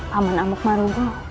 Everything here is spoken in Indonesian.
paman amuk marugo